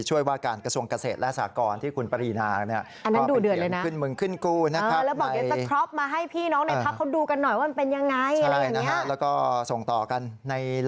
ช่วยว่าการกระทรวงเกษตรและสากรที่คุณปรีนา